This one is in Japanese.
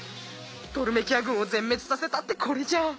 トルメキア軍を全滅させたってこれじゃ。